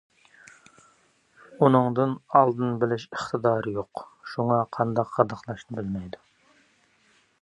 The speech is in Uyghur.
ئۇنىڭدىن ئالدىن بىلىش ئىقتىدارى يوق شۇڭا قانداق غىدىقلاشنى بىلمەيدۇ.